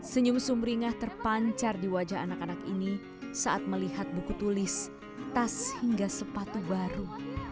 senyum sumringah terpancar di wajah anak anak ini saat melihat buku tulis tas hingga sepatu baru